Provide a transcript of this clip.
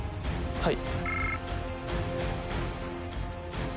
はい。